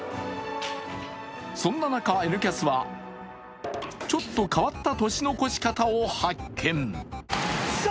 そんな中、「Ｎキャス」はちょっと変わった年の越し方を発見。